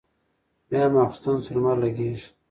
بيا ماخستن شو لمر لګېږي